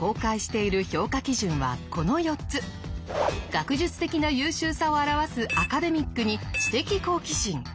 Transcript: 学術的な優秀さを表すアカデミックに知的好奇心。